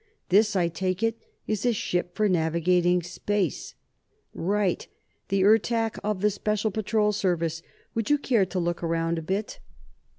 This, I take it, is a ship for navigating space?" "Right! The Ertak, of the Special Patrol Service. Would you care to look around a bit?"